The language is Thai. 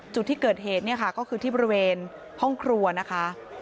จุดที่เกิดเหตุเนี่ยค่ะก็คือที่บริเวณห้องครัวนะคะ